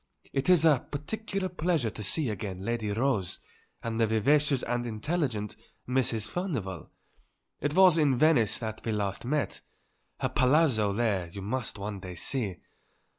It is a particular pleasure to see again Lady Rose and the vivacious and intelligent Mrs. Furnivall; it was in Venice that we last met; her Palazzo there you must one day see.